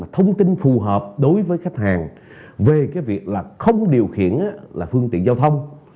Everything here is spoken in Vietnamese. thông tin phù hợp đối với khách hàng về cái việc là không điều khiển là phương tiện giao thông